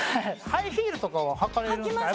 ハイヒールとかは履かれるんですか？